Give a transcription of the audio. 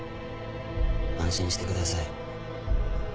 安心してください。